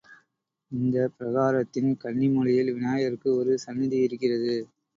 இந்தப் பிரகாரத்தின் கன்னி மூலையில் விநாயகருக்கு ஒரு சந்நிதியிருக்கிறது.